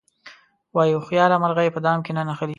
وایي هوښیاره مرغۍ په دام کې نه نښلي.